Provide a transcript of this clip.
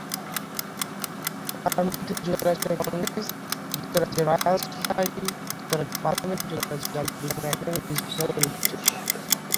তার মধ্যে যুক্তরাষ্ট্রের কংগ্রেস, যুক্তরাজ্যের রয়াল সোসাইটি, যুক্তরাজ্যের পার্লামেন্ট, যুক্তরাষ্ট্রের জাতীয় বিজ্ঞান একাডেমি বিশেষ ভাবে উল্লেখযোগ্য।